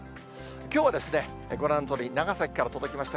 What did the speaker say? きょうはご覧のとおり、長崎から届きました